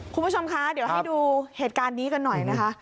คุณผู้ชมคะเดี๋ยวให้ดูเหตุการณ์นี้กันหน่อยนะคะ